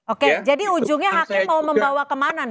oke jadi ujungnya hakim mau membawa kemana nih